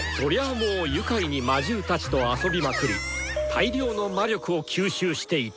もう愉快に魔獣たちと遊びまくり大量の魔力を吸収していた。